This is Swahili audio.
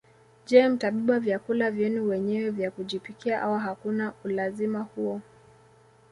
Je mtabeba vyakula vyenu wenyewe vya kujipikia au hakuna ulazima huo